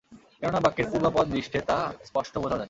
কেননা, বাক্যের পূর্বাপর দৃষ্টে তা স্পষ্ট বোঝা যায়।